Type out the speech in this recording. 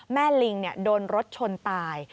ลิงโดนรถชนตาย